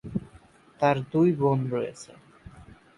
তার দুই বোন রয়েছে।